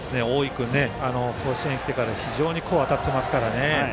君、甲子園きてから非常に当たってますからね。